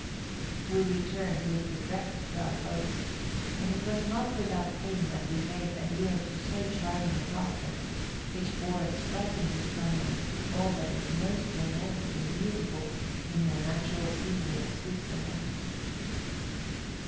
We returned with regret to our boats, and it was not without pain that we bade adieu to so charming a prospect, which bore a striking resemblance to all that is most romantic and beau¬ tiful in the natural scenery of Switzerland.